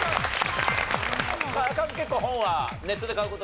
カズ結構本はネットで買う事が多い？